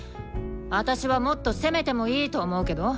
あたしはもっと攻めてもいいと思うけど。